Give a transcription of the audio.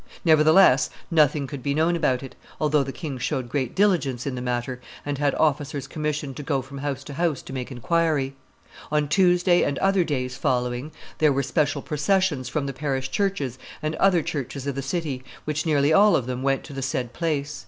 Nevertheless nothing could be known about it, although the king showed great diligence in the matter, and had officers commissioned to go from house to house to make inquiry. ... On Tuesday and other days following there were special processions from the parish churches and other churches of the city, which nearly all of them went to the said place.